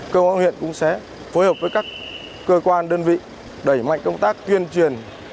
công an huyện cũng sẽ phối hợp với các cơ quan đơn vị đẩy mạnh công tác tuyên truyền